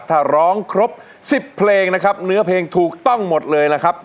ถ้าร้องครบ๑๐เพลงนะครับเนื้อเพลงถูกต้องหมดเลยล่ะครับ